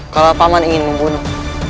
kalau taman ingin membunuh